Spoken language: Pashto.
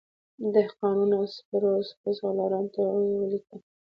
دهقانانو، سپرو او سپه سالارانو ته یې ولیکل.